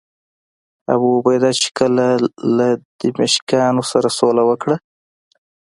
ابوعبیده چې کله له دمشقیانو سره سوله وکړه.